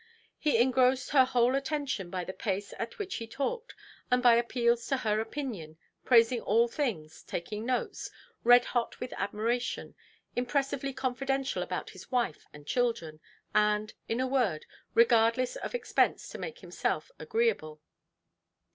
He engrossed her whole attention by the pace at which he talked, and by appeals to her opinion, praising all things, taking notes, red–hot with admiration, impressively confidential about his wife and children, and, in a word, regardless of expense to make himself agreeable.